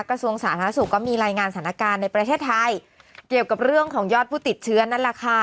กระทรวงสาธารณสุขก็มีรายงานสถานการณ์ในประเทศไทยเกี่ยวกับเรื่องของยอดผู้ติดเชื้อนั่นแหละค่ะ